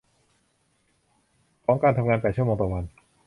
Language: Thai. ของการทำงานแปดชั่วโมงต่อวัน